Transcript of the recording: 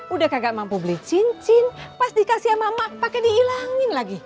udah kagak mampu beli cincin pas dikasih sama emak pakai dihilangin lagi